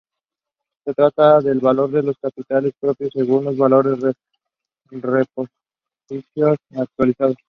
Se trata del valor de los capitales propios según los valores de reposición actualizados.